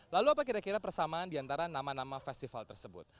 lalu apa kira kira persamaan diantara nama nama festival tersebut